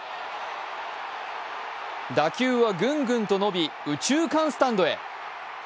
打球はぐんぐんと伸び右中間スタンドへ。